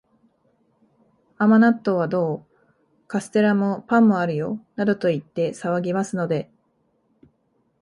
甘納豆はどう？カステラも、パンもあるよ、などと言って騒ぎますので、